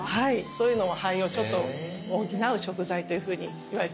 そういうのも肺をちょっと補う食材というふうにいわれてるんですね。